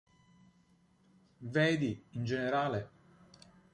Vedi, in generale,